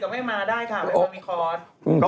พรุ่งกินก็ไม่มาได้ค่ะไม่มีคอน